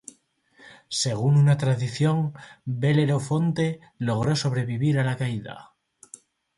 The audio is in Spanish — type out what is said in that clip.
Según una tradición, Belerofonte logró sobrevivir a la caída.